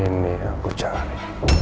ini yang aku cari